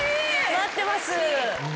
待ってます。